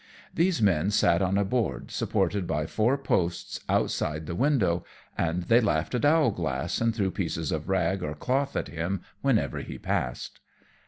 These men sat on a board, supported by four posts, outside the window, and they laughed at Owlglass, and threw pieces of rag or cloth at him whenever he passed.